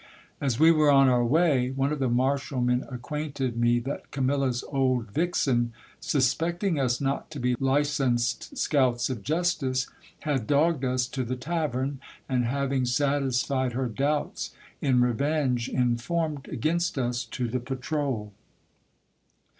As we were on our way, one of the marshalmen acquainted me that Camilla's old vixen, suspecting us not to be licensed scouts of justice, had dogged us to the tavern ; and having satisfied her doubts, in revenge informed against us to the patrole.